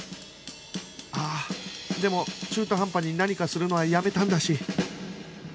ああでも中途半端に何かするのはやめたんだし